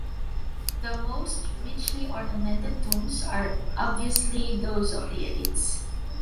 The most richly ornamented tombs are abviously those of the elites.